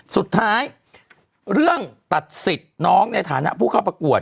สุดท้ายเรื่องตัดสิทธิ์น้องในฐานะผู้เข้าประกวด